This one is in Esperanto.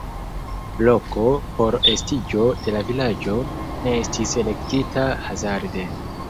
Loko por estiĝo de la vilaĝo ne estis elektita hazarde.